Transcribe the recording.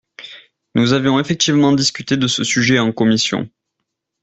Nous avions effectivement discuté de ce sujet en commission.